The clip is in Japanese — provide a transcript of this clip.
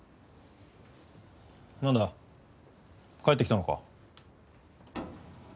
帰ってきたのか？